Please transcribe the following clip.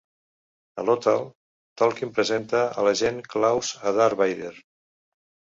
A Lothal, Tarking presenta a l'agent Kallus a Darth Vader.